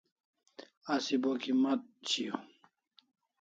Asi bo kimat shiau